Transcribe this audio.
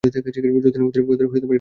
যদি না ওদেরও এটায় যুক্ত করতে চাও।